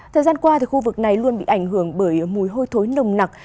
thời gian qua khu vực này luôn bị ảnh hưởng bởi mùi hôi thối nồng nặc